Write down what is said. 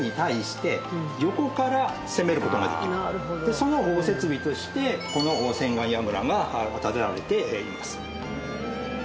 その設備としてこの千貫櫓が建てられています。